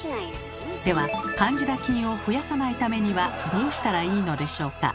ではカンジダ菌を増やさないためにはどうしたらいいのでしょうか？